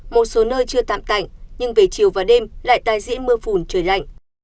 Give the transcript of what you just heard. một số nơi chưa tạm tạnh nhưng về chiều và đêm lại tái diễn mưa phùn trời lạnh